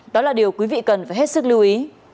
đó là điều quý vị cần phải hết sức lưu ý